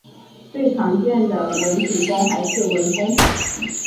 最常见的文笔峰还是文峰塔。